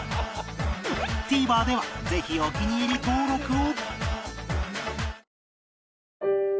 ＴＶｅｒ ではぜひお気に入り登録を